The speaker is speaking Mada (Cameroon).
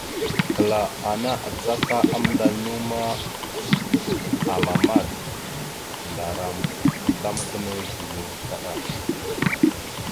Kəla ana acaka amndal naw ma, amamat. Ndaram azlam gənaw gime kaɗay.